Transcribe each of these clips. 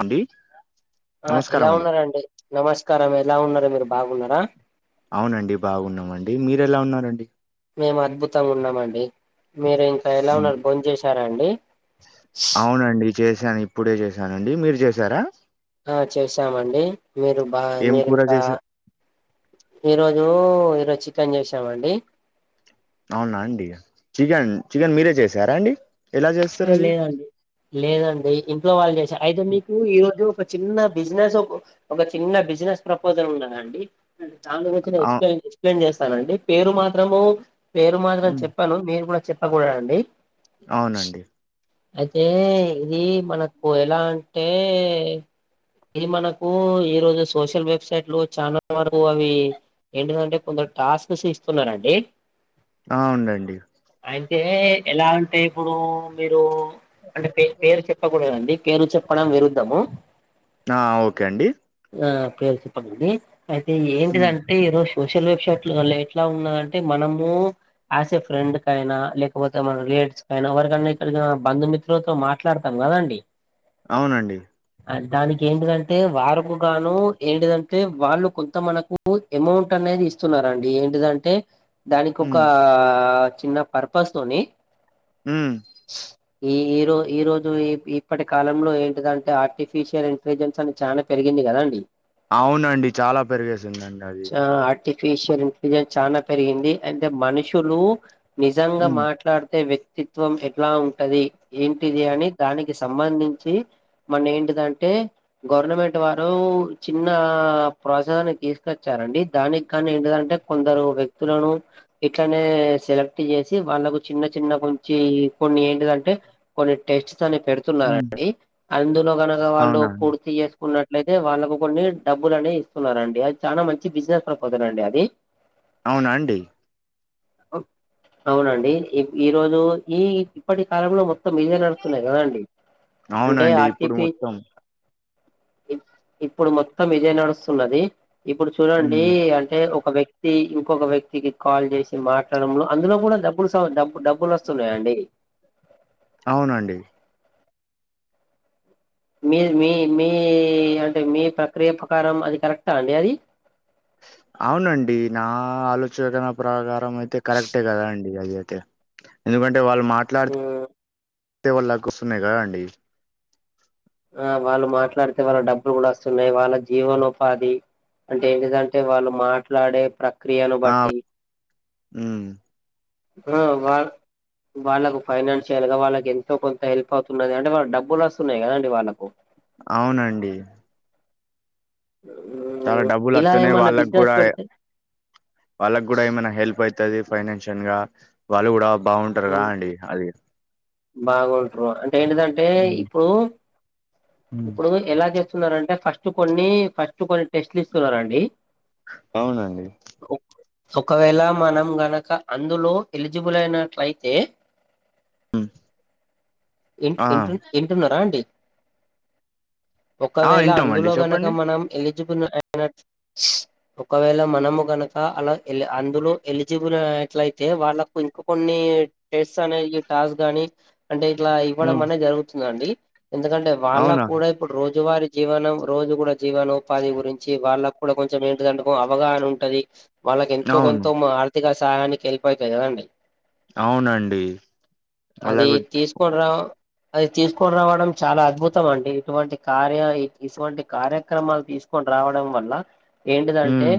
అండి. ఆ ఎలా నమస్కారం అండి ఉన్నారండి? నమస్కారం ఎలా ఉన్నారు, మీరు బాగున్నరా? అవునండి, బాగున్నామండి. మీరు ఎలా ఉన్నారండి? మేం అద్భుతంగా ఉన్నమండి. మీరు ఇం ఎలా అవును ఉన్నారు, బోం చేశారా అండి? అవునండి చేశాను, ఇప్పుడే చేశానండి. మీరు చేశారా? ఆ చేసామండి. మీరు బా ఏం కూర మీరింకా చేసా ఈ రోజు ఈరోజు చికెన్ చేశామండి. అవునా అండి. చికెన్ చికెన్ మీరే చేసారా అండి? ఎలా ఆ చేస్తారు అది లేదండి. లేదండి ఇంట్లో వాళ్ళు చేసారు అయితే మీకు ఈ రోజు ఒక చిన్న బిజినెస్ ఓక ఒక చిన్న బిజినెస్ ప్రపోజల్ ఉన్నదండి. దాని గురించి నేను అ ఎక్స్ప్లెన్ ఎక్స్ప్లెయిన్ చేస్తానండి, పేరు మాత్రము పేరు మాత్రం చెప్పను, మీరు కూడా చెప్పకూడదండి. అవునండి. అయితే ఇది మనకు ఎలా అంటే ఇది మనకు ఈ రోజు సోషల్ వెబ్సైట్లు ఛానల్ వరకు అవి ఏంటిదంటే కొందరు టాస్క్స్ ఇస్తున్నరండి. ఆ ఉండండి. అయితే ఎలాంటే ఇప్పుడు మీరు అంటేే పేరు చెప్పకూడదండి. పేర్లు చెప్పడం విరుద్ధము. ఆ ఓకే అండి. ఆ పేర్లు చెప్పకండి అయితే ఏంటి దం హ్మ్. అంటే ఈ రోజు సోషల్ వెబ్సైట్లల్లా ఎట్లా ఉన్నదంటే మనము ఆసే ఫ్రెండ్ కైనా లేకపోతే మన రిలేటివ్స్ కైన ఎవరి కన్నా [unintelligible] బంధుమిత్రులతో మాట్లాడతం కదండి. అవునండి. అ దానికి ఏంటిదంటే వారుకు గాను ఏంటిదంటే వాళ్ళు కొంత మనకు ఎమౌంట్ అనేది ఇస్తున్నరండి ఏంటిదంటే దానికి ఒక ఉమ్ చిన్న పర్పస్ తోని హ్ ఈ ఈ రో ఈ రోజు ఈ ఇప్పటి కాలంలో ఏంటిదంటే ఆర్టిఫిషియల్ ఇంటెలిజెన్స్ అని చానా పెరిగింది కదా అండి. అవునండి చాలా పెరిగేసిందండి అది. ర్టిఫిషియల్ ఇంటెలిజెన్స్ చానా పెరిగింది అంటే మనుషులు నిజంగా హ్మ్. మాట్లాడితే వ్యక్తిత్వం ఏ ట్లా ఉంటది ఏంటిది అని దానికి సంబంధించి మన ఏంటిదంటే గవర్నమెంట్ వారు చిన్న ప్రోత్సాహాన్ని తీసుకొచ్చారండి దానికి కానీ ఏంటిదంటే కొందరు వ్యక్తులను ఇట్లనే సెలెక్ట్ చేసి వాళ్ళకు చిన్న చిన్న కొంచి కొన్ని ఏంటిదంటే కొన్ని టెస్ట్స్ అని పెడు హ్మ్. తున్నారండి, అందులో కనక వాళ్ళు అవునా పూర్తి చేసుకున్న ట్లయితే వాళ్ళకు కొన్ని డబ్బులు అనేయి ఇస్తున్నారండి, అది చానా మంచి బిజినెస్ ప్రపోజల్ అండి అది. అవునా అండి. అవునండి, ఈ ఈరోజు ఈ ఇప్పటి కాలంలో మొత్తం ఇదే నడుస్తున్నది కదండి అంటే అవునండి ఇప్పుడు ఆర్టిఫి మొత్తం ఇప్పుడు మొత్తం ఇదే నడుస్తున్నది ఇప్పుడు చూడండి హ్మ్. అంటే ఒక వ్యక్తి వ్యతి ఇంకొక వ్యక్తికి కాల్ చేసి మాట్లాడంలో అందులో కూడా డబ్బులు స డబ్బ డబ్బులు వస్తున్నాయాండి అవునండి మీ మీ మీ అంటే మీ ప్రక్రియ ప్రకారం అది కరెక్టా అండి అది అవునండి నా ఆలోచన ప్రకారం అయితే కరెక్టే కదా అండి అది అయితే ఎందుకంటే వాళ్ళు హ్మ్. మాట్లాడితే వాళ్ళ కు వస్తున్నాయి కదా అండి ఆ వాళ్ళు మాట్లాడితే వాళ్ళకు డబ్బులు కూడా వస్తున్నాయి వాళ్ళకు జీవనోపాధి అంటే ఏంటిదంటే వాళ్ళు మాట్లాడే ప్రక్రియను బట్టి ఊ ఆ వార్ వాళ్ళకు ఫైనాన్షియల్ గా వాళ్ళకి ఎంతో కొంత హెల్ప్ అవుతున్నది అంటే వాళ్ళ డబ్బులు వస్తున్నాయి కదండి వాళ్ళకు అవునండి చాలా మ్మ్ డబ్బులు ఇలా వస్తున్నాయి ఏమన్నా వాళ్ళకి బిజినెస్ కూడా పెడితే వాళ్ళకి కూడా ఏమైనా హెల్ప్ అవుతది ఫైనాన్షియల్ గా వాళ్ళు కూడా బాగుంటారు కదా మ్మ్ అండి అది బాగుంటారు అంటే ఏంటిదంటే హ్మ్. ఇప్పుడు హ్మ్. ఇప్పుడు ఎలా చేస్తున్నరంటే ఫస్ట్ కొన్ని ఫస్ట్ కొన్ని టెస్ట్లు ఇస్తున్నరండి అవునండి ఒకవేళ మనం గనక అందులో ఎలిజిబుల్ అయినట్లయితే హ్మ్. ఇన్ ఆ! ఇంటు ఇంటున్నారా అండి ఆ! ఒకవేళ వింటామండి అందులో గనక చెప్పండి. మనం ఎలిజిబుల్ అయిన ఒకవేళ మనము గనక అలా ఎ అందులో ఎలిజిబుల్ అట్ల ఏ అయితే వాళ్ళకు ఇంక కొన్ని టెస్ట్ అనే టాస్ గాని అంటే ఇట్లా ఇవ్వడం హ్మ్. అనేది జరుగుతుందండి ఎందుకంటే వాళ్ళక్ అవునా! ఇప్పుడు రోజువారి జీవనం రోజు కూడా జీవనోపాధి గురించి వాళ్ళక్ కొంచెం ఏంటిదండకో అవగాహన ఉంటది వాళ్ళకి ఎంతో అవును. కొంత మా తిక సహాయానికి హెల్ప్ ఐతది కదండీ అవునండి. అది అలాగ తీసుకుండ్రా అది తీసుకుని రావడం చాలా అద్భుతం అండి ఇటువంటి కార్య ఇటువంటి కార్యక్రమాలు తీసుకొని రావడం వల్ల ఏంటిదంటే హ్మ్.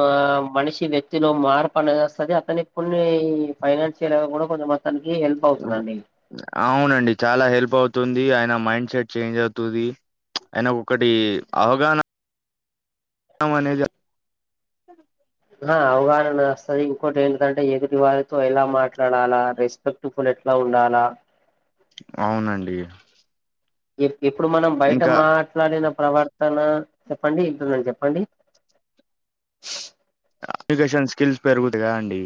ఆ మనిషి వ్యక్తిలో మార్పు అనేది వస్తది అతని కొన్ని ఫైనాన్షియల్ కూడా కొంచ తనికి హెల్ప్ అవుతుందండి అవునండి చాలా హెల్ప్ అవుతుంది ఆయన మైండ్ సెట్ చేంజ్ అవుతుంది ఆయనకు ఒకటి అవగాహన అనేది ఆ అవగాహన వస్తది ఇంకోటి ఏంటంటే ఎదుటి వారితో ఎలా మాట్లాడాలా రెస్పెక్ట్ టుప్పులు ఎట్లా ఉండాలా అవునండి ఇప్పుడు మనం బయట ఇంకా మాట్లాడిన ప్రవర్తన చెప్పండి వింటున్నాను చెప్పండి కమ్యూనికేషన్ స్కిల్స్ పెరుగుతయ్ కదండి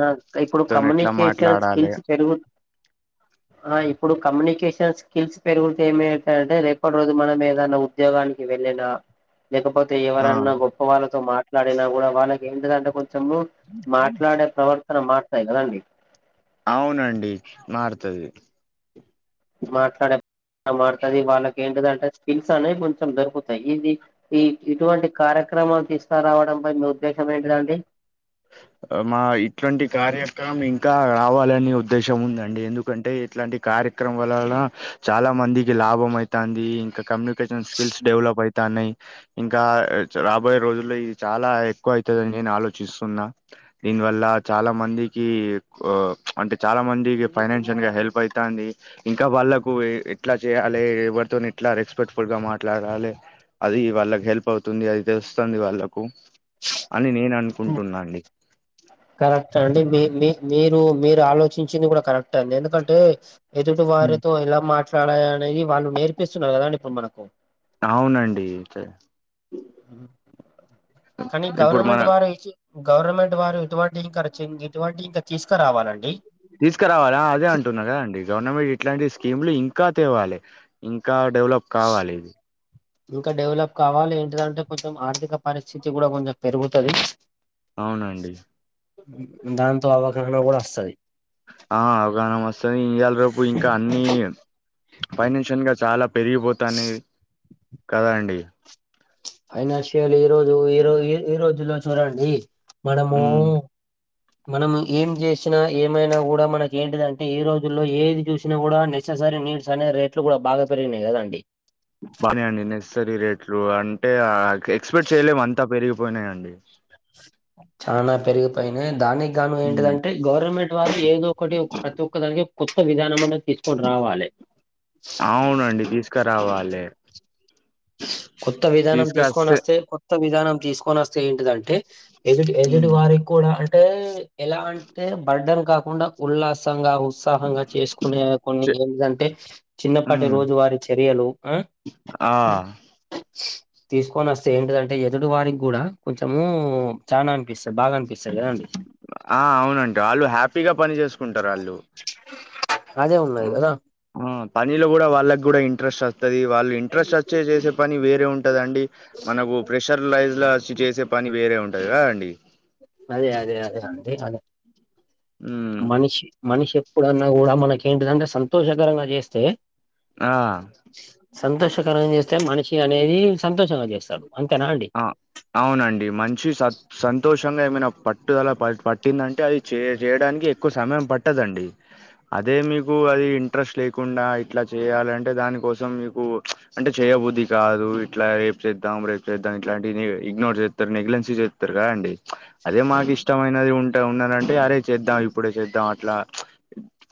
ఆ ఇప్పుడు ఎట్లా కమ్యూనికేషన్ మాట్లాడాలి స్కిల్స్ పెరుగు [unintelligible] ఆ ఇప్పుడు కమ్యూనికేషన్ స్కిల్స్ పెరుగుతే ఏమయితదంటే రేపటి రోజు మనం ఏదన్నా ఉద్యోగానికి వెళ్ళిన లేకపోతే ఆ ఎవరన్నా గొప్ప వాళ్ళతో మాట్లాడినా కూడా వాళ్ళకి ఎంటిదంటే కొంచెము మాట్లాడే ప్రవర్తన మారతాయి కదండి అవునండి మారుతది మాట్లాడే ఆ మాడుతుది వాళ్ళకేంటిదంటే స్కిల్స్ అనే కొంచెం దొరుకుతాయి ఈసీ ఈ ఇటువంటి కార్యక్రమాలు తీస్కరావడంపై మీ ఉద్దేశం ఏంటిదండి మా ఇట్లాంటి కార్యక్రమం ఇంకా రావాలనే ఉద్దేశం ఉందండి ఎందుకంటే ఇట్లాంటి కార్యక్రమం వలన చాలా మందికి లాభం అయితాంది ఇంక కమ్యూనికేషన్ స్కిల్స్ డెవలప్ అయి తాన్నాయి ఇంకా రాబోయే రోజుల్లో ఇయి చాలా ఎక్కువ అయితాదని నేను ఆలోచిస్ తున్నా దీని వల్ల చాలా మందికి ఓ అంటే చాలా మందికి ఫైనాన్షియన్ గా హెల్ప్ అయితాంది ఇంకా వాళ్ళకు ఎ ఎట్లా చెయ్యాలి ఎవరితోని ఎట్లా రెస్పెక్ట్ఫుల్ గా మాట్లాడాలి అది వాళ్ళకి హెల్ప్ అవుతుంది అది తెలుస్తుంది వాళ్ళకు అని నేను అనుకుంటున్నా అండి కరెక్ట్ అండి మీ మీ మీరు మీరు ఆలోచించింది కూడా కర టాన్ ఎందుకంటే ఎదుటి ఉమ్. వారితో ఎలా మాట్ ట్లాడాలి అనేది వాళ్ళు నేర్పిస్తున్నారు కదండి ఇప్పుడు మనకు అవునండి తె కానీ ఇప్పుడు మన గవర్నమెంట్ వారు ఇచ్చి గవర్నమెంట్ వారు ఇటువంటి ఇంకా [unintelligible] ఇటువంటి ఇంకా తీసుకురావాలండి తీసుకురావాల అదే అంటున్నా కదా అండి గవర్నమెంట్ ఇట్లాంటిది స్కీములు ఇంకా తేవాలె ఇంకా డెవలప్ కావాలి ఇది ఇంకా డెవలప్ కావాలి ఏంటదంటే కొంచెం ఆర్థిక పరిస్థితి కూడా కొంచెం పెరుగుతది అవునండి దాంతో అవగాహన కూడా వస్తది ఆ అవగాహన వస్తది ఇయ్యాల రేపు ఇంకా అన్నీ ఫైనాన్షియన్ గా చాలా పెరిగిపోతానాయి కదండి ఫైనాన్షియల్ ఈ రోజు ఈరో ఈ ఈ రోజుల్లో చూడండి మనమూ మనం ఏం చేసినా ఏమైనా కూడా మనకి ఏంటిదంటే ఈ రోజుల్లో ఏది చూసినా కూడా నె ససరీ నీడ్స్ అనే రేట్లు కూడా బాగా పెరిగినయి కదండి బానే అండి నెససరీ రేట్లు అంటే ఆ కె ఎక్స్పెక్ట్ చేయలేము అంతా పెరిగిపోయినాయండి చనా పెరిగిపోయినాయి దానికి గాను హ్మ్. ఏంటిదంటే గవర్నమెంట్ వాళ్ళు ఏదో ఒకటి ప్రతి ఒక్క దానికీ కొత్త విధానం అన్నా తీసుకొని రావాలి అవునండి తీసుకురావాలె కొత్త విధానం తీసుకస్తే తీసుకొనొస్తే కొత్త విధానం తీసుకొనస్ సేంటిదంటే ఎదుటి ఎదుటి మ్మ్ వారికి కూడా అంటే ఎలా అంటే బర్డన్ కాకుండా ఉల్లాసంగా ఉత్సాహంగా చేసుకునే కొన్ని ఏమిదంటే చిన్నపాటి రోజు వారీ చర్యలు ఆ అ తీసుకోనొస్తే ఏంటిదంటే ఎదుటి వారికి కూడా కొంచెము చానా అన్పిస్తుంది బాగా అన్పిస్తది కదా అండి ఆ అవునండి ఆళ్ళు హ్యాపీగా పని చేసుకుంటారు ఆళ్ళు అదే ఉన్నది కదా ఆ పనిలో కూడా వాళ్ళకి కూడా ఇంట్రెస్ట్ వస్తది వాళ్ళు ఇంట్రెస్ట్ అస్ చే చేసే పని వేరే ఉంటదండి మనకు ప్రెషర్లైజ్లా సు చేసే పని వేరే ఉంటది కదండి అదే అదే అదే అండి అదే మ్మ్ మనిషి మనిషి ఎప్పుడన్నా కూడా మనకి ఏంటదంటే సంతోషకరంగా చేస్తే ఆ సంతోషకరంగా చేస్తే మనిషి అనేది సంతోషంగా చేస్తాడు అంతేనా అండి ఆ అవునండి మంచి స సంతోషంగా ఏమైనా పట్టుదలా ప పట్టిందంటే అది చే చేయడానికి ఎక్కువ సమయం పట్టదండి అదే మీకు అది ఇంట్రెస్ట్ లేకుండా ఇట్లా చేయాలంటే దానికోసం మీకు అంటే చెయ్య బుద్ధి కాదు ఇట్లా రేపు చేద్దాం రేపు చేద్దాం ఇట్లాంటివి ఇగ్నోర్ చేత్తరు నెగ్లెన్సీ చేత్తరు కదండి అదే మాకు ఇష్టమైనది ఉం టే ఉన్నాదంటే అరే చేద్దాం ఇప్పుడే చేద్దాం అట్లా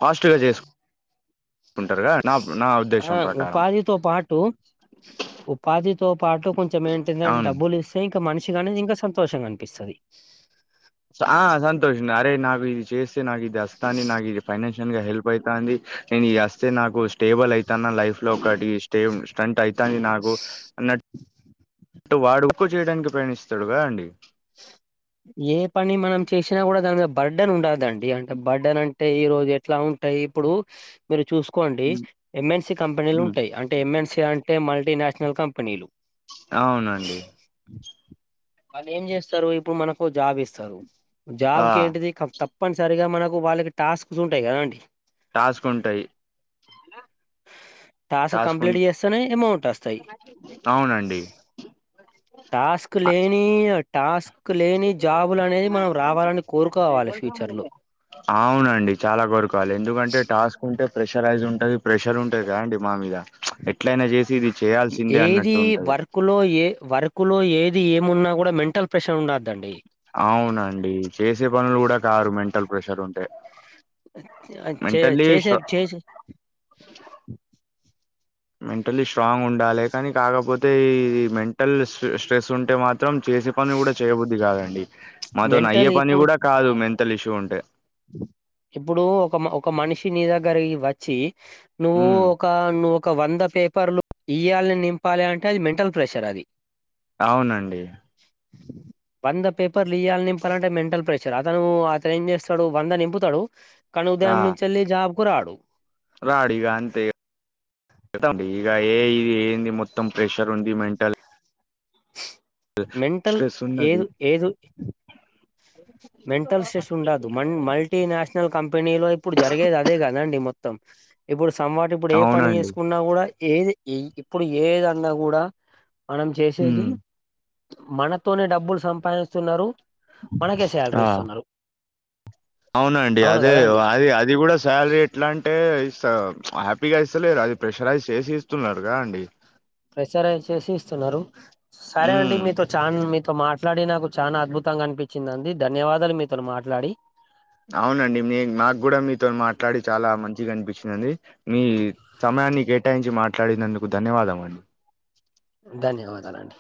ఫాస్ట్‌గా చేసు కుంటారుగా నా నా ఉద్దేశం ప్రకారం తో పాటు ఉపాధితో పాటు కొంచెం ఏంటిదంటే అవును డబ్బులు ఇ స్తే ఇంకా మనిషికి అనేది ఇంకా సంతోషంగా కనిపిస్తది ఆ సంతోషంగా అరే నాకు ఇది చేస్తే నాకు ఇది అస్తాంది నాకు ఇది ఫైనాన్స్ న్గా హెల్ప్ అయితంది నేను అస్తే నాకు స్టేబుల్ అయితాన్న లైఫ్‌‌లో ఒకటి తేం స్టంట్ అయితంది నాకు అన ట్టు వాడు ఎక్కువ చేయడానికి ప్రయాణిస్తాడుగా అండి ఏ పని మనం చేసినా కూడా దానిమీద బర్డన్ ఉండ్డదండి అంటే బర్డన్ అంటే ఈరోజు ఎట్లా ఉంటాయి ఇప్పుడు మీరు చూసుకోండి ఎంఎన్సి కంపెనీలు ఉంటాయి అంటే ఎంఎన్సి అంటే మల్టీనేషనల్ కంపెనీలు అవునండి వాళ్ళేం చేస్తారు ఇప్పుడు మనకు జాబ్ ఇస్తారు ఆ జాబ్‌కి ఏంటిది తప్పనిసరిగా మనకు వాళ్ళకి టాస్క్స్ ఉంటాయి కదండి టాస్క్ ఉంటాయి టాస్క్ కంప్లీట్ చేస్తేనే యమౌంట్ వస్తాయి అవునండి టాస్క్ లేని టాస్క్ లేని జాబులు అనేది మనం రావాలని కోరుకోవాలి ఫ్యూచర్‌లో అవునండి చాలా కోరుకోవాలి ఎందుకంటే టాస్క్ ఉంటే ప్రెషరైజ్ ఉంటది ప్రెషర్ ఉంటది కదండి మా మీద ఎట్లయినా చేసి ఇది చేయాల్సిందే అన్నట్టు ఉంటది క్కులో ఏ వర్కులో ఏది ఏమున్నా కూడా మెంటల్ ప్రెషర్ ఉండద్దండి అవునండి చేసే పనులు కూడా కారు మెంటల్ ప్రెషర్ ఉంటే ఆ చే మెంటల్లీ చేసే చేసే మెంటలీ స్ట్రాంగ్ ఉండాలే కాని కాకపోతే ఇది మెంటల్ స్ట్రెస్ ఉంటే మాత్రం చేసే పని కూడా చేయబుద్ది కాదండి మెంటల్ మాతోనయ్యే పని ఇప్పుడు కూడా కాదు మెంటల్ ఇష్యూ ఉంటే ఇప్పుడు ఒక ఒక మనిషి నీ దగ్గరికి వచ్చి నువ్వు ఉమ్ ఒక నువు ఒక వంద పేపర్లు ఇయ్యాలే నింపాలి అంటే అది మెంటల్ ప్రెషర్ అది అవునండి వంద పేపర్లు ఈయాలి నింపాల అంటే మెంటల్ ప్రెషర్ అతను అతను ఏం చే స్తాడు వంద నింపుతాడు కను రా ఉదయం నుంచేళ్లి జాబ్‌కు రాడు రాడు ఇగ అంతే కదండి ఇగ ఎ ఇది ఏంది మొత్తం ప్రెషర్ ఉంది మెంటల్ మెంటల్ స్ట్రెస్ ఉన్నది ఏదు ఏదు టి నేషనల్ కంపెనీలో ఇప్పుడు జరిగేది అదే కదండి మొత్తం ఇప్పుడు సమ్ వాట్ ఇప్పుడు ఏ పని అవునండి చేసుకున్నా కూడా ఏది ఇ ఇప్పుడు ఏదన్నా కూడా మనం చేసేది ఉమ్ మనతోనే డబ్బులు సంపాదిస్తున్నారు మనకే ఆ శాలరీ ఇస్తున్నారు అవునండి అవును అదే కదా అండి అది అది కూడా శాలరీ ఎట్లా అంటే స ప్పిగా ఇస్తలేరు అది ప్రెషరైజ్ చేసి ఇస్తున్నారుగా అండి ప్రెషరైజ్ చేసి ఇస్తున్నారు సరే అండి ఉమ్ మీతో చా మీతో మాట్లాడి నాకు చానా అద్భుతంగా అనిపించింది అండి ధన్యవాదాలు మీతోని మాట్లాడి అవునండి మీ నాకు కూడా మీతోని మాట్లాడి చాలా మంచిగా అనిపించిందండి మీ సమయాన్ని కేటాయించి మాట్లాడినందుకు ధన్యవాదం అండి ధన్యవాదాలండి